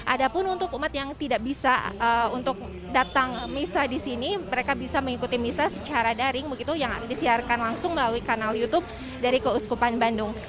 ada pun untuk umat yang tidak bisa untuk datang misa di sini mereka bisa mengikuti misa secara daring begitu yang disiarkan langsung melalui kanal youtube dari keuskupan bandung